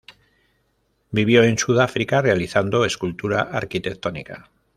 Vivió en Sudáfrica realizando escultura arquitectónica.